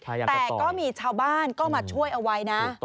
แต่ก็มีชาวบ้านก็มาช่วยเอาไว้นะ